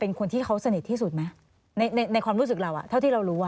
ในความรู้สึกเราเท่าที่เรารู้